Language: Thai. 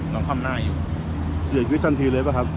นอนค่อมหน้าอยู่เสียจวิทย์ทันทีเลยเปล่าครับ